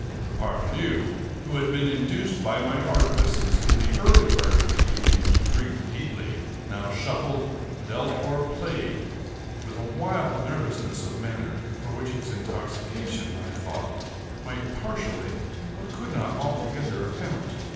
The parvenu, who had been induced by my artifices in the early part of the evening, to drink deeply, now shuffled, dealt, or played, with a wild nervousness of manner for which his intoxication, I thought, might partially, but could not altogether account.